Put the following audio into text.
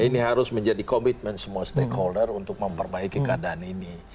ini harus menjadi komitmen semua stakeholder untuk memperbaiki keadaan ini